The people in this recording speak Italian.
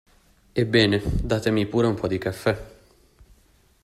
Ebbene, datemi pure un po' di caffè.